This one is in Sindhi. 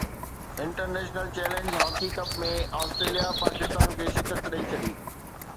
international challenge hockey cup ۾ Australia Pakistan کي شڪست ڏئي ڇڏي